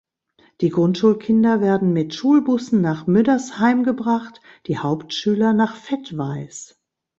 Die Grundschulkinder werden mit Schulbussen nach Müddersheim gebracht, die Hauptschüler nach Vettweiß.